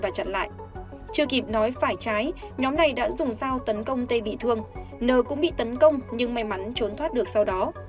và chặn lại chưa kịp nói phải trái nhóm này đã dùng dao tấn công tê bị thương nờ cũng bị tấn công nhưng may mắn trốn thoát được sau đó